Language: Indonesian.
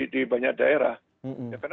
di banyak daerah ya karena